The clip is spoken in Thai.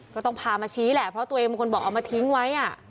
ก็ต้องพามาชี้แหละเพราะตัวเองเป็นคนบอกเอามาทิ้งไว้